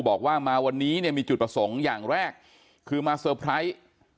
บอกว่ามาวันนี้เนี่ยมีจุดประสงค์อย่างแรกคือมาเซอร์ไพรส์